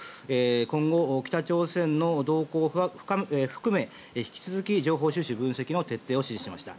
今後、北朝鮮の動向を含め引き続き、情報収集、分析の徹底を指示しました。